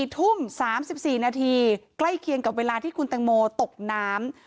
๔ทุ่ม๓๔นาทีใกล้เคียงกับเวลาที่คุณตังโมตกน้ำ